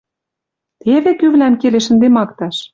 Теве кӱвлӓм келеш ӹнде макташ.